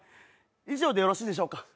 以上でよろしいでしょうか？